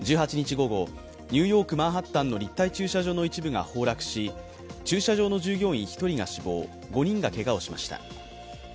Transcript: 午後、ニューヨーク・マンハッタンの立体駐車場の一部が崩落し駐車場の従業員１人が死亡５人がけがをしました。